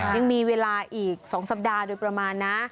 ยังมีเวลาอีก๒สัปดาห์โดยประมาณนะ